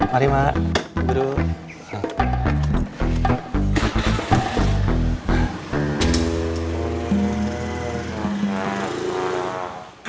mari mak duduk